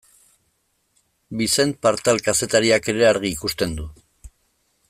Vicent Partal kazetariak ere argi ikusten du.